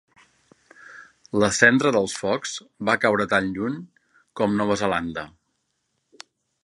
La cendra dels focs va caure tan lluny com Nova Zelanda.